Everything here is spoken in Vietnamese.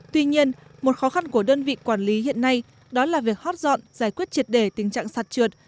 tuy nhiên một khó khăn của đơn vị quản lý hiện nay đó là việc hot dọn giải quyết triệt đề tình trạng sạt trượt